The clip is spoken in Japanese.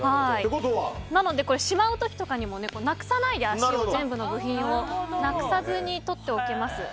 なので、しまう時にもなくさないで全部の部品をなくさずに取っておけます。